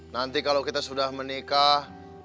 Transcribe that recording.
nanti kalau kita sudah menikah